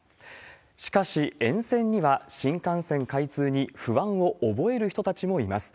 しかし、沿線には新幹線開通に不安を覚える人たちもいます。